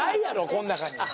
この中に。